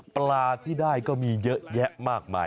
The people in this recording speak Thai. ปลาที่ได้ก็มีเยอะแยะมากมาย